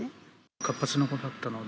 活発な子だったので、